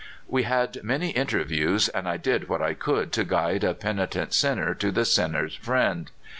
We had many interviews, and I did what I could to guide a penitent sinner to the sinner's Friend.